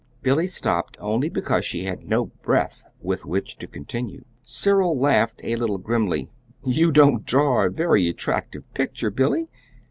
Billy stopped only because she had no breath with which to continue. Cyril laughed a little grimly. "You don't draw a very attractive picture, Billy.